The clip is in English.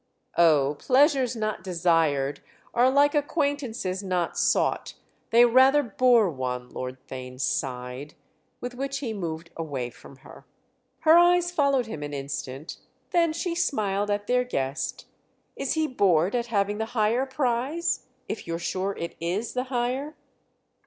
"Oh, pleasures not desired are like acquaintances not sought—they rather bore one!" Lord Theign sighed. With which he moved away from her. Her eyes followed him an instant—then she smiled at their guest. "Is he bored at having the higher prize—if you're sure it is the higher?"